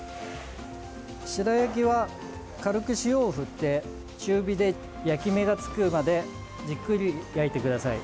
白焼きは軽く塩を振って中火で焼き目がつくまでじっくり焼いてください。